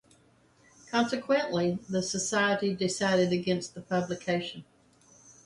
Consequently, the society decided against the publication.